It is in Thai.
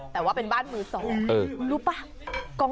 พี่พินโย